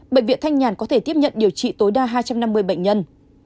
bệnh viện thanh nhàn có thể tiếp nhận điều trị tối đa hai trăm năm mươi bệnh nhân